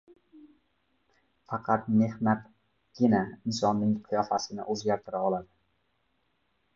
Faqat mehnatgina insonning qiyofasini o‘zgartira oladi.